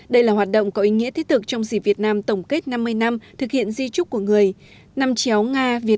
đây là hoạt động có ý nghĩa thiết thực trong dịp việt nam tổng kết năm mươi năm thực hiện di trúc của người